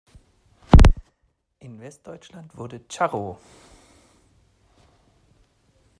In Westdeutschland wurde "Charro!